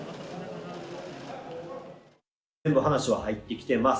全部話は入ってきてます。